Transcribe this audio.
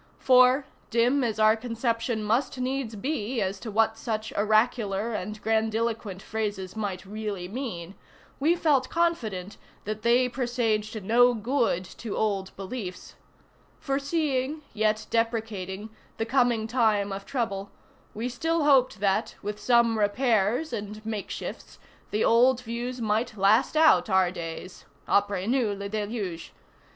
For, dim as our conception must needs be as to what such oracular and grandiloquent phrases might really mean, we felt confident that they presaged no good to old beliefs. Foreseeing, yet deprecating, the coming time of trouble, we still hoped, that, with some repairs and make shifts, the old views might last out our days. Apr├©s nous le deluge.